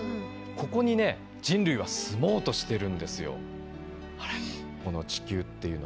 ここにね人類は住もうとしてるんですよ。